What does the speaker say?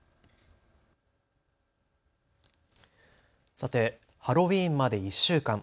さて、ハロウィーンまで１週間。